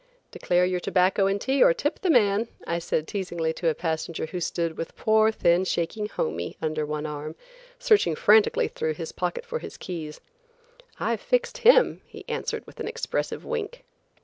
"Declare your tobacco and tea or tip the man," I said teazingly to a passenger who stood with poor, thin, shaking "Homie" under one arm, searching frantically through his pockets for his keys. "I've fixed him!" he answered with an expressive wink.